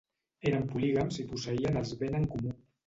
Eren polígams i posseïen els ben en comú.